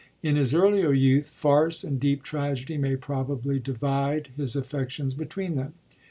In his earlier youth, farce and deep tragedy may probably divide his affections between them.